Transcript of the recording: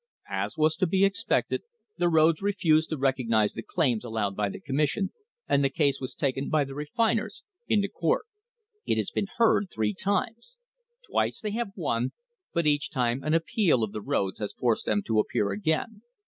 As was to be expected, the roads refused to recognise the claims allowed by the Commission, and the case was taken by the refiners into court. It has been heard three times. Twice they have won, but each time an appeal of the roads has forced them to appear again.